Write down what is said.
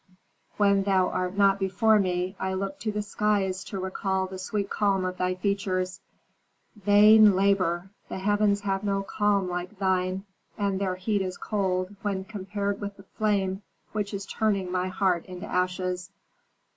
"When thou art not before me, I look to the skies to recall the sweet calm of thy features. Vain labor! The heavens have no calm like thine, and their heat is cold when compared with the flame which is turning my heart into ashes."